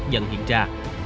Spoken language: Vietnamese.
dần hiện ra